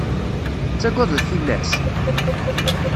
Tettagadeḍ tillas?